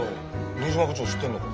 新島部長知ってんのか？